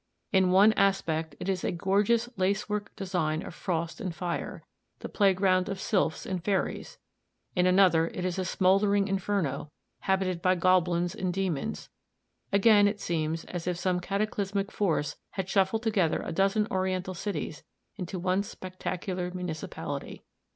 In one aspect it is a gorgeous lacework design of frost and fire, the playground of sylphs and fairies; in another it is a smoldering inferno habited by goblins and demons; again, it seems as if some cataclysmic force had shuffled together a dozen oriental cities into one spectacular municipality.